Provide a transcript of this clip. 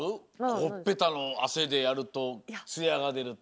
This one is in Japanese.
ほっぺたのあせでやるとつやがでるって。